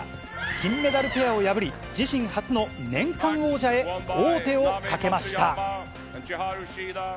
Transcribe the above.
金メダルペアを破り、自身初の年間王者へ王手をかけました。